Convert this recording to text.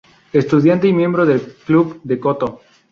Estudiante y miembro del club de koto.